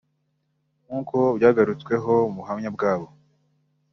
nk’uko byagrutsweho mu buhamya bwabo